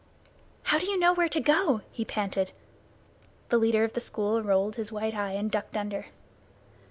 "How do you know where to go to?" he panted. The leader of the school rolled his white eye and ducked under.